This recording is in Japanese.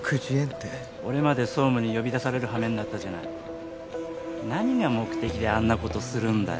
俺まで総務に呼び出されるはめになったじゃない何が目的であんなことするんだよ